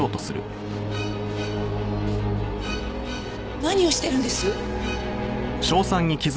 何をしてるんです？